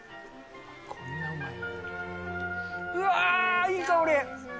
うわー、いい香り。